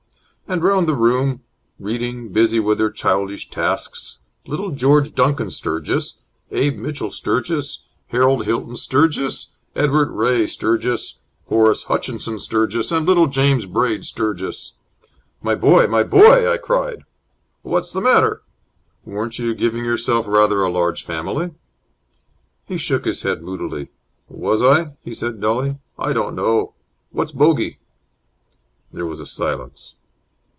And round the room reading, busy with their childish tasks little George Duncan Sturgis, Abe Mitchell Sturgis, Harold Hilton Sturgis, Edward Ray Sturgis, Horace Hutchinson Sturgis, and little James Braid Sturgis." "My boy! My boy!" I cried. "What's the matter?" "Weren't you giving yourself rather a large family?" He shook his head moodily. "Was I?" he said, dully. "I don't know. What's bogey?" There was a silence.